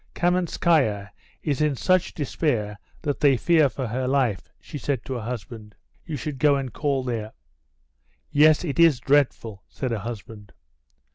Kamenskaya is in such despair that they fear for her life," she said to her husband. "You should go and call there." "Yes; it is dreadful," said her husband.